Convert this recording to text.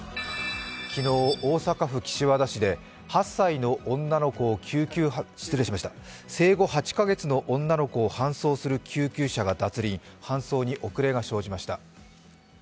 昨日、大阪府岸和田市で生後８か月の女の子を搬送する救急車が脱輪、搬送に遅れが生じました。